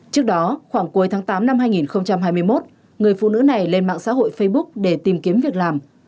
trước đó khoảng cuối tháng tám năm hai nghìn hai mươi một người phụ nữ này lên mạng xã hội facebook để tìm kiếm việc làm